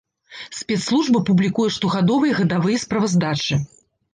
Спецслужба публікуе штогадовыя гадавыя справаздачы.